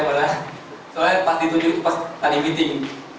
karena pas ditunjuk itu pas tadi meeting